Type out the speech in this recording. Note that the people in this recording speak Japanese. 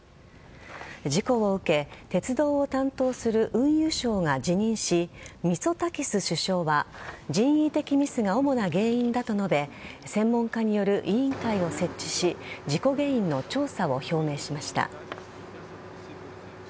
事故を受け鉄道を担当する運輸相が辞任しミツォタキス首相は人為的ミスが主な原因だと述べ専門家による委員会を設置し事故原因の調査を表明しました。